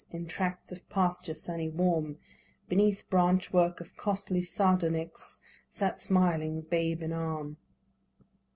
In tracts of pasture sunny warm. Beneath branch work of costly sardonyx Sat smiling, babe in arm.